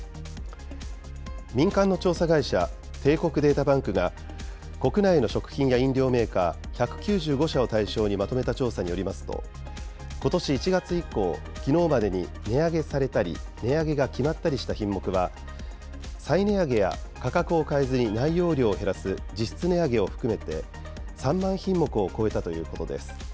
民間の調査会社、帝国データバンクが国内の食品や飲料メーカー１９５社を対象にまとめた調査によりますと、ことし１月以降、きのうまでに値上げされたり、値上げが決まったりした品目は、再値上げや価格を変えずに内容量を減らす実質値上げを含めて、３万品目を超えたということです。